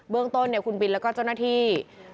เรื่องต้นคุณบินแล้วก็เจ้าหน้าที่